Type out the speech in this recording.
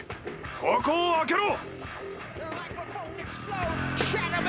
ここを開けろ！